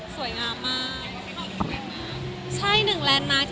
สวยงามมาก